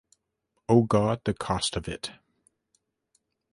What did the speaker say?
O God, the cost of it!